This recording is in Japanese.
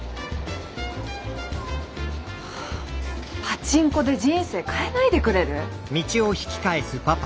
パチンコで人生変えないでくれる！？